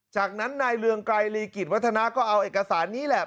จากนั้นนายเรืองไกรลีกิจวัฒนาก็เอาเอกสารนี้แหละ